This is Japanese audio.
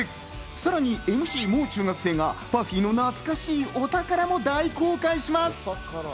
さらにＭＣ、もう中学生がＰＵＦＦＹの懐かしいお宝を大公開します。